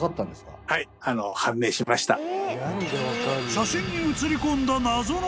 ［写真に写り込んだ］